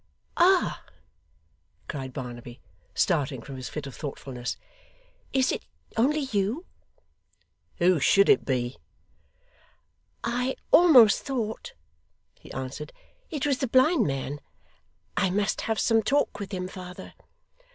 'Ah!' cried Barnaby, starting from his fit of thoughtfulness. 'Is it only you?' 'Who should it be?' 'I almost thought,' he answered, 'it was the blind man. I must have some talk with him, father.